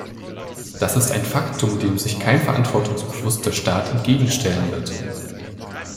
Das ist ein Faktum, dem sich kein verantwortungsbewusster Staat entgegenstellen wird.